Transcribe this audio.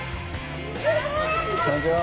こんにちは。